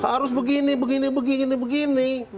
harus begini begini begini